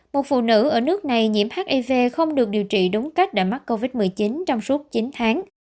một phụ nữ ở nước này nhiễm hiv không được điều trị đúng cách đã mắc covid một mươi chín trong suốt chín tháng